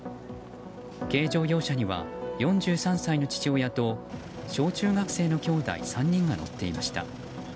軽乗用車には４３歳の父親と小中学生のきょうだい３人が乗っていました。